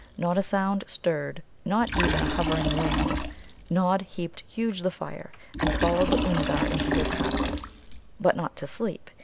Not a sound stirred now, not even a hovering wing. Nod heaped high the huge fire, and followed the Oomgar into his hut. But not to sleep.